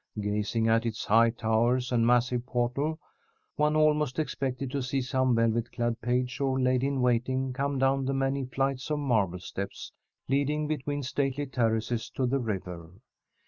Gazing at its high towers and massive portal, one almost expected to see some velvet clad page or lady in waiting come down the many flights of marble steps leading between stately terraces to the river.